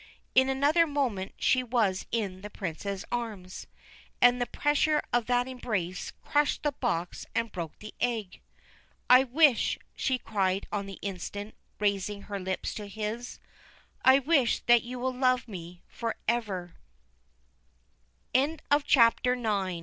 In another moment she was in the Prince's arms, and the pressure of that embrace crushed the box and broke the egg. ' I wish,' she cried on the instant, raising her lips to his, ' I wish that you will love me for ever 1 ' BASHTCHELIK